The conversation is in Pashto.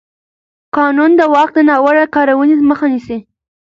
قانون د واک د ناوړه کارونې مخه نیسي.